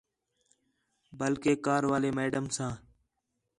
بلکہ کار والے میڈم ساں